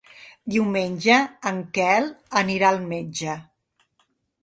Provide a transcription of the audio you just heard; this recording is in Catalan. Diumenge en Quel anirà al metge.